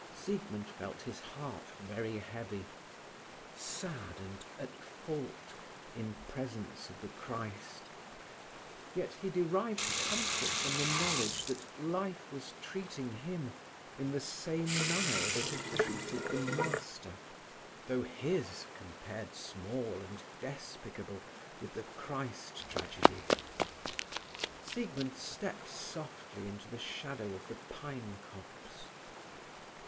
Siegmund felt his heart very heavy, sad, and at fault, in presence of the Christ. Yet he derived comfort from the knowledge that life was treating him in the same manner as it had treated the Master, though his compared small and despicable with the Christ tragedy. Siegmund stepped softly into the shadow of the pine copse.